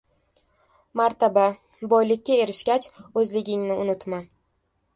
— Martaba, boylikka erishgach, o‘zliging unutma.